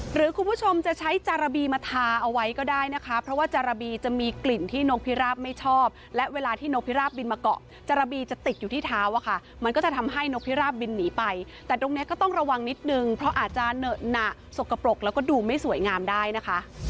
หรือคุณผู้ชมจะใช้จาระบีมาทาเอาไว้ก็ได้นะคะเพราะว่าจาระบีจะมีกลิ่นที่นกพิราบไม่ชอบและเวลาที่นกพิราบบินมาเกาะจาระบีจะติดอยู่ที่เท้าอะค่ะมันก็จะทำให้นกพิราบบินหนีไปแต่ตรงนี้ก็ต้องระวังนิดนึงเพราะอาจจะเหนอะหนักสกปรกแล้วก็ดูไม่สวยงามได้นะคะ